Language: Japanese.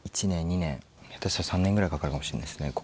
１年２年下手したら３年ぐらいかかるかもしれないですね。